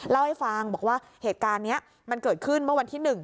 เล่าให้ฟังบอกว่าเหตุการณ์นี้มันเกิดขึ้นเมื่อวันที่๑